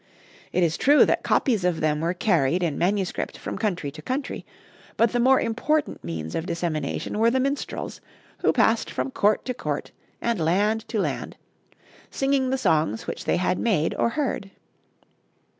It is true that copies of them were carried in manuscript from country to country; but the more important means of dissemination were the minstrels, who passed from court to court and land to land, singing the songs which they had made or heard.